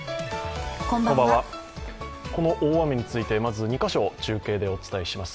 この大雨について、まず２か所中継でお伝えします。